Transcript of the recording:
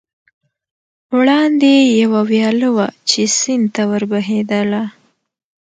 وړاندې یوه ویاله وه، چې سیند ته ور بهېدل.